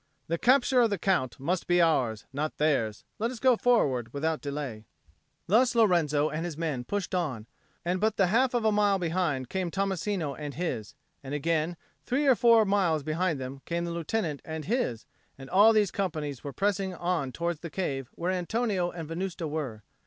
"The capture of the Count must be ours, not theirs. Let us go forward without delay." Thus Lorenzo and his men pushed on; and but the half of a mile behind came Tommasino and his; and again, three or four miles behind them, came the Lieutenant and his; and all these companies were pressing on towards the cave where Antonio and Venusta were.